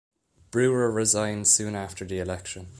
Brewer resigned soon after the election.